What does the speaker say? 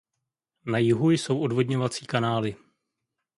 Na jihu jsou odvodňovací kanály.